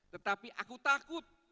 tetapi aku takut